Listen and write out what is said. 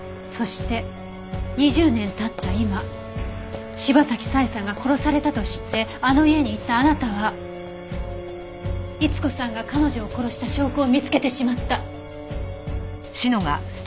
そして２０年経った今柴崎佐江さんが殺されたと知ってあの家に行ったあなたは逸子さんが彼女を殺した証拠を見つけてしまった。